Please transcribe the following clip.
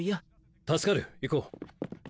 助かる行こう。